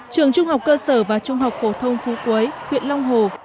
trường trung học cơ sở và trung học phổ thông phú quế huyện long hồ